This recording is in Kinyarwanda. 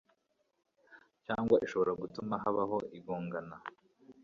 cyangwa ishobora gutuma habaho igongana